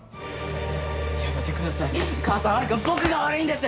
やめてください母さんは悪くない僕が悪いんです！